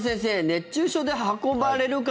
熱中症で運ばれる方